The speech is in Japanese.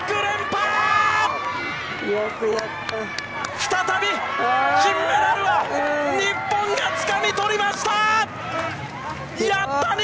再び金メダルは日本がつかみ取りました！